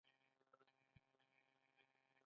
دوی وړیا روغتیايي سیستم لري.